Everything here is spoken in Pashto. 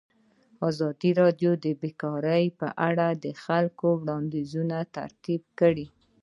ازادي راډیو د بیکاري په اړه د خلکو وړاندیزونه ترتیب کړي.